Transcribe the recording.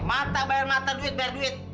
mata bayar mata duit bayar duit